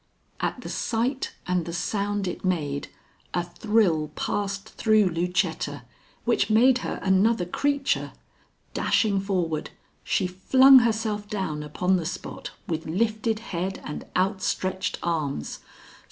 At the sight and the sound it made, a thrill passed through Lucetta which made her another creature. Dashing forward, she flung herself down upon the spot with lifted head and outstretched arms.